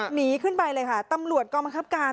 หนีขึ้นไปเลยค่ะตำรวจกองบังคับการ